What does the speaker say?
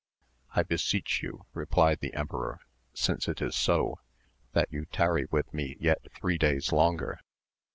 I beseech you, replied the emperor, since it is so, that you tarry with me yet three days longer.